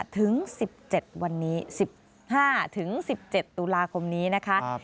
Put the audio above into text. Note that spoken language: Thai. ๑๕ถึง๑๗ตุลาคมนี้นะคะ